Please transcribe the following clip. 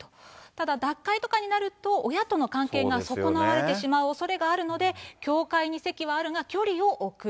ただ、脱会とかになると、親との関係が損なわれてしまうおそれがあるので、教会に籍はあるが、距離を置く。